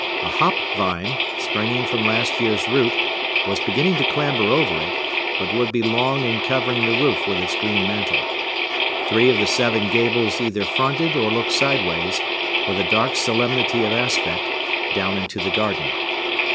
A hop vine, springing from last year's root, was beginning to clamber over it, but would be long in covering the roof with its green mantle. Three of the seven gables either fronted or looked sideways, with a dark solemnity of aspect, down into the garden.